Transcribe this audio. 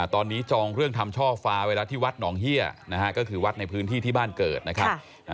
ตอนนี้จองเรื่องทำช่อฟ้าไว้แล้วที่วัดหนองเฮียนะฮะก็คือวัดในพื้นที่ที่บ้านเกิดนะครับ